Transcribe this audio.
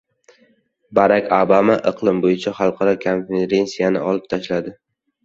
Barak Obama iqlim bo‘yicha xalqaro konferensiyani olib boradi